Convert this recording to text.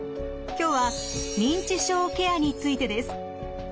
今日は認知症ケアについてです。